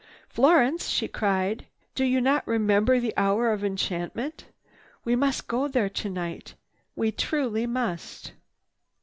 Florence," she cried, "do you not remember the 'Hour of Enchantment'? We must go there tonight. We truly must!"